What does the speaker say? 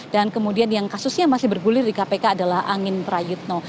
dan kemudian yang kasusnya masih bergulir di kpk adalah angin prayutno